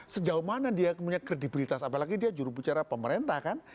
sejauh mana dia punya kredibilitas apalagi dia jurubicara pemerintah kan